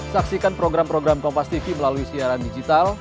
saksikan program program kompastv melalui siaran digital